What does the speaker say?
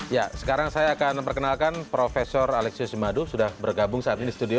ya sekarang saya akan memperkenalkan prof alexius jemadu sudah bergabung saat ini di studio